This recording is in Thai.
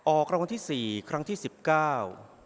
รางวัลที่สี่ครั้งที่สิบเก้า